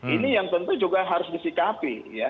ini yang tentu juga harus disikapi